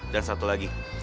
dan satu lagi